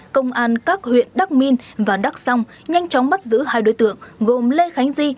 công an các huyện đắc minh và đắc song nhanh chóng bắt giữ hai đối tượng gồm lê khánh duy